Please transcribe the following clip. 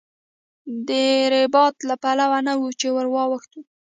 د رباط له پله نه چې ور واوښتو.